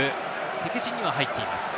敵陣には入っています。